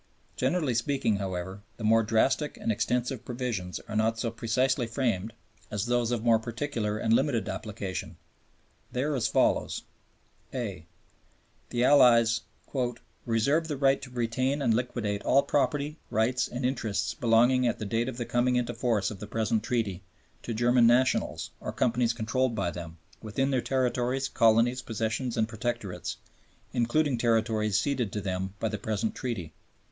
Generally speaking, however, the more drastic and extensive provisions are not so precisely framed as those of more particular and limited application. They are as follows: (a) The Allies "reserve the right to retain and liquidate all property, rights and interests belonging at the date of the coming into force of the present Treaty to German nationals, or companies controlled by them, within their territories, colonies, possessions and protectorates, including territories ceded to them by the present Treaty."